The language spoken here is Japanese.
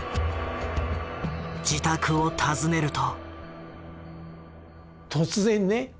自宅を訪ねると。